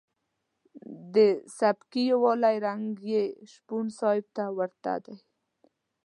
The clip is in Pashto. د سبکي یوالي رنګ یې شپون صاحب ته ورته دی.